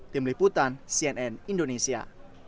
tim liputan cnn indonesia